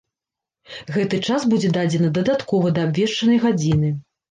Гэты час будзе дадзены дадаткова да абвешчанай гадзіны.